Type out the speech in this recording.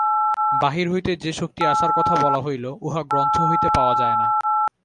বাহির হইতে যে-শক্তি আসার কথা বলা হইল, উহা গ্রন্থ হইতে পাওয়া যায় না।